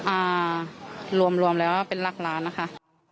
อ่ารวมเลยว่าเป็นหลักล้านนะคะ